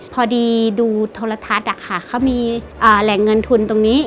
พอดีดูโทรทัศน์เขามีแหล่งเงินทุนตรงนี้